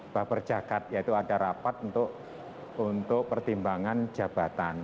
baperjakat yaitu ada rapat untuk pertimbangan jabatan